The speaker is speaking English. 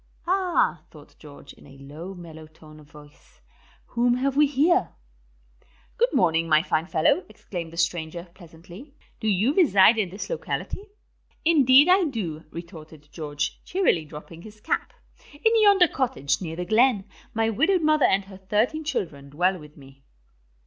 "Ah," thought George, in a low, mellow tone of voice, "whom have we here?" "Good morning, my fine fellow," exclaimed the stranger, pleasantly. "Do you reside in this locality?" "Indeed I do," retorted George, cheerily dropping his cap. "In yonder cottage, near the glen, my widowed mother and her thirteen children dwell with me."